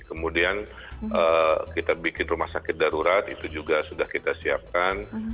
kemudian kita bikin rumah sakit darurat itu juga sudah kita siapkan